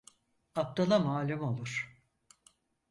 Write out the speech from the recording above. Abdala malum olur.